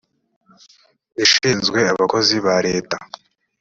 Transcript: ishinzwe abakozi ba leta